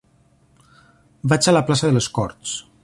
Vaig a la plaça de les Corts.